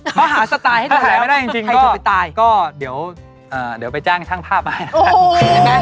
พบหาสไตล์ให้ดูกับใครจะไปตายถามไม่ได้จริงก็เดี๋ยวไปจ้างช่างภาพมา